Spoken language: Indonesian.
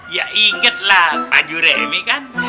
ya inget lah pak juremi kan